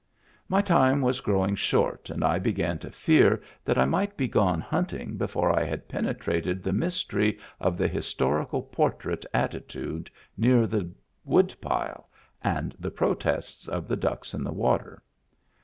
My time was growing short and I began to fear that I might be gone hunting before I had penetrated the mystery of the historical portrait attitude near the woodpile and the protests of the ducks in the water.